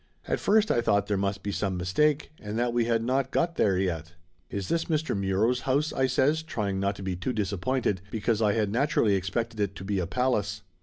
At first I thought there must be some mistake and that we had not go there yet. "Is this Muro's house?" I says, trying not to be too disappointed, because I had naturally expected it to be a palace.